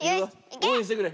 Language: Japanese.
おうえんしてくれ。